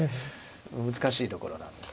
難しいところなんです